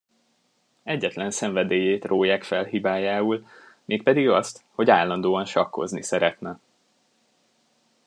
Egyetlen szenvedélyét róják fel hibájául, mégpedig azt, hogy állandóan sakkozni szeretne.